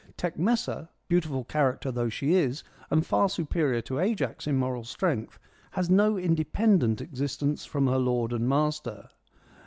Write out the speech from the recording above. ^SCHYLUS AND SOPHOCLES 81 Tecmessa, beautiful character though she is, and far superior to Ajax in moral strength, has no inde pendent existence apart from her lord and master.